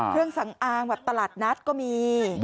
เครื่องสำอางแบบตลาดนัดก็มี